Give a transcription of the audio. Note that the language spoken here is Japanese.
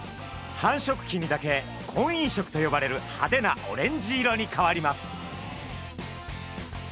繁殖期にだけ婚姻色と呼ばれる派手なオレンジ色に変わります。